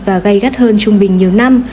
và gây gắt hơn trung bình nhiều năm